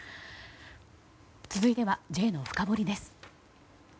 続いては、Ｊのフカボリです。